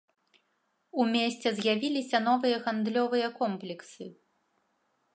У месце з'явіліся новыя гандлёвыя комплексы.